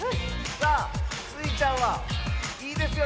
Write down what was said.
さあスイちゃんはいいですよ